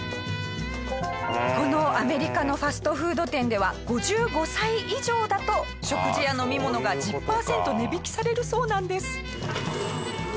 このアメリカのファストフード店では５５歳以上だと食事や飲み物が１０パーセント値引きされるそうなんです。